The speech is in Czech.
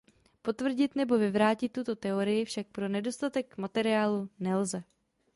Potvrdit nebo vyvrátil tuto teorii však pro nedostatek materiálu nelze.